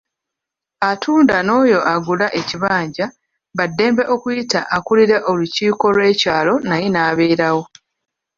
Atunda n'oyo agula ekibanja baddembe okuyita akulira olukiiko lw'ekyalo naye n'abeerawo.